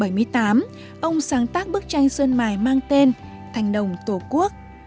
năm một nghìn chín trăm bảy mươi tám ông sáng tác bức tranh xuân mài mang tên thành đồng tổ quốc